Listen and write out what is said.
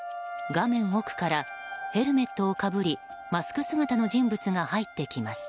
画面奥から、ヘルメットをかぶりマスク姿の人物が入ってきます。